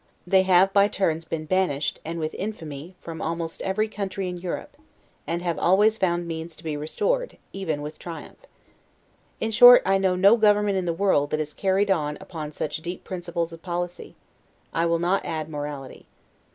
They have, by turns, been banished, and with infamy, almost every country in Europe; and have always found means to be restored, even with triumph. In short, I know no government in the world that is carried on upon such deep principles of policy, I will not add morality.